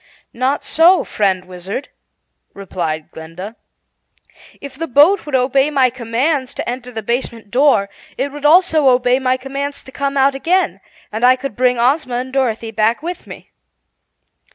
"Not so, friend Wizard," replied Glinda. "If the boat would obey my commands to enter the basement door, it would also obey my commands to come out again, and I could bring Ozma and Dorothy back with me."